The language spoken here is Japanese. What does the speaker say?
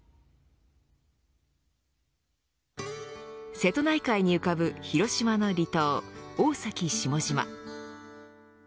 瀬戸内海に浮かぶ広島の離島大崎下島。